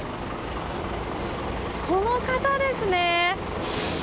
この方ですね！